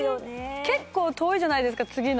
結構遠いじゃないですか次の。